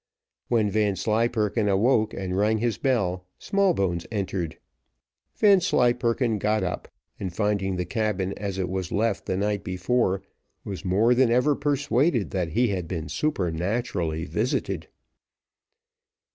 When Vanslyperken awoke and rang his bell, Smallbones entered. Vanslyperken got up, and finding the cabin as it was left the night before, was more than ever persuaded that he had been supernaturally visited.